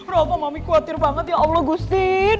rafa mami khawatir banget ya allah gustin